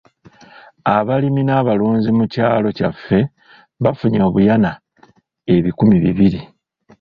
Abalimi n'abalunzi mu kyalo kyaffe bafunye obuyana ebikumi bibiri.